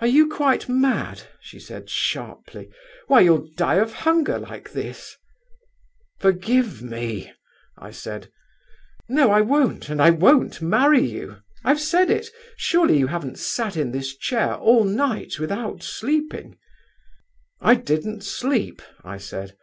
'Are you quite mad?' she said, sharply. 'Why, you'll die of hunger like this.' 'Forgive me,' I said. 'No, I won't, and I won't marry you. I've said it. Surely you haven't sat in this chair all night without sleeping?' 'I didn't sleep,' I said.